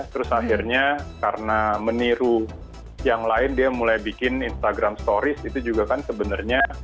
terus akhirnya karena meniru yang lain dia mulai bikin instagram stories itu juga kan sebenarnya